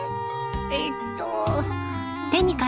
えっと。